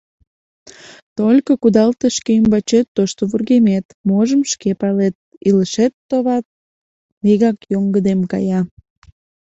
Только... кудалте шке ӱмбачет тошто «вургемет»... можым — шке палет, илышет, товат, вигак йоҥгыдем кая.